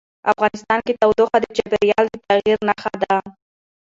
افغانستان کې تودوخه د چاپېریال د تغیر نښه ده.